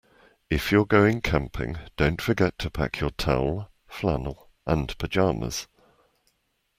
If you're going camping, don't forget to pack your towel, flannel, and pyjamas